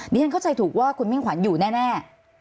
ฉันเข้าใจถูกว่าคุณมิ่งขวัญอยู่แน่